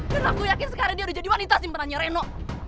kenapa yakin sekarang dia udah jadi wanita sih menanya reno